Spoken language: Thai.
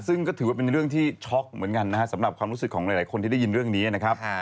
ซึ่งก็ถือว่าเป็นเรื่องที่ช็อกเหมือนกันนะครับสำหรับความรู้สึกของหลายคนที่ได้ยินเรื่องนี้นะครับ